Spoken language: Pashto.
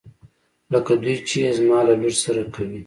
لکه دوی چې يې زما له لور سره کوي.